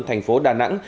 thành phố đà nẵng